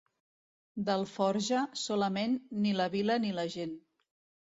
D'Alforja, solament, ni la vila ni la gent.